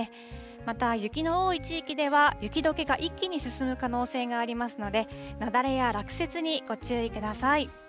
また、雪の多い地域では、雪どけが一気に進む可能性がありますので、雪崩や落雪にご注意ください。